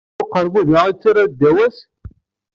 I uqermud-a i ttarran ddaw-as?